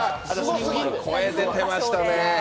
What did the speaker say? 声出てましたね。